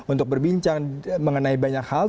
untuk berbincang mengenai banyak hal